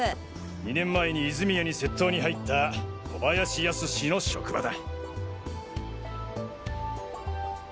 ２年前に泉谷に窃盗に入った小林康の職場だ。